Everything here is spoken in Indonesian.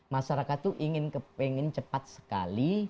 masyarakat itu ingin cepat sekali